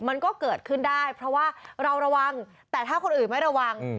มันก็เกิดขึ้นได้เพราะว่าเราระวังแต่ถ้าคนอื่นไม่ระวัง